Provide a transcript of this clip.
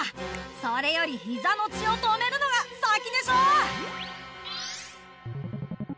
それよりひざの血をとめるのがさきでしょ！